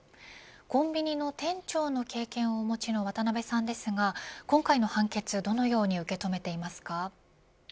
コンビニの店長の経験をお持ちの渡辺さんですが今回の判決はどのように受け止めていますか。